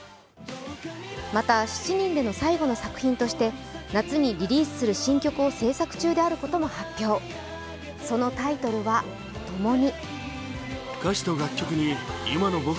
また７人での最後の作品として夏にリリースする新曲を制作中であることも発表、そのタイトルは「ともに」。